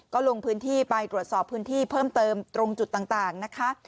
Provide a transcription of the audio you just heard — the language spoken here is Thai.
ก็ลงพื้นที่ไปตรวจสอบพื้นที่เพิ่มเติมตรงจุดต่างนะคะ